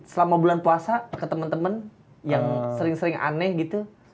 selama bulan puasa ke temen temen yang sering sering aneh gitu